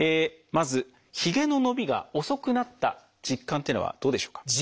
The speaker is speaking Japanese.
まずひげの伸びが遅くなった実感っていうのはどうでしょうか？